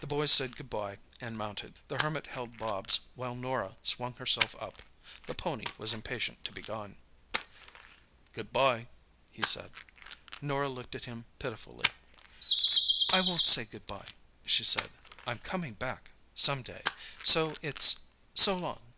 The boys said "good bye" and mounted. The Hermit held Bobs while Norah swung herself up—the pony was impatient to be gone. "Good bye," he said. Norah looked at him pitifully. "I won't say good bye," she said. "I'm coming back—some day. So it's—'so long!